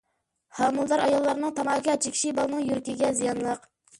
ھامىلىدار ئاياللارنىڭ تاماكا چېكىشى بالىنىڭ يۈرىكىگە زىيانلىق.